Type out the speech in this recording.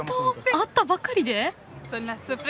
会ったばかりで？